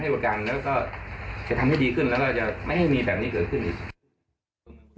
ประกันแล้วก็จะทำให้ดีขึ้นแล้วก็จะไม่ให้มีแบบนี้เกิดขึ้นอีก